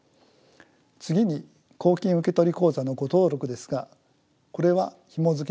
次に公金受取口座の誤登録ですがこれはひもづけミスの問題です。